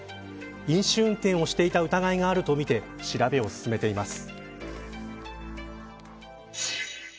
飲酒運転をしていた疑いがあるとみて調べを進めています。